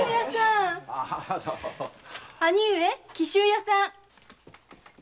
兄上紀州屋さん。